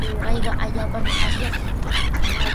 Kayqa allaapami asyaakun.